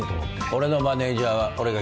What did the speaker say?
俺のマネジャーは俺が決める。